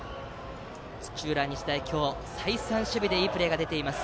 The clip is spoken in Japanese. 土浦日大、今日再三守備でいいプレーが出ています。